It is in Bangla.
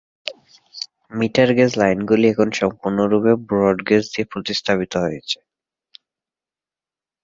মিটারগেজ লাইনগুলি এখন সম্পূর্ণরূপে ব্রডগেজ দিয়ে প্রতিস্থাপিত হয়েছে।